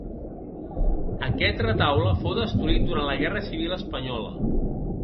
Aquest retaule fou destruït durant la Guerra Civil espanyola.